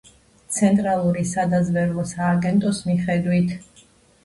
ცენტრალური სადაზვერვო სააგენტოს მიხედვით.